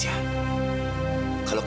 kamu bisa menangis